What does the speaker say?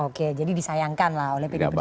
oke jadi disayangkan lah oleh pdi perjuangan